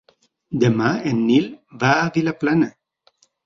Demà en Nil va a Vilaplana.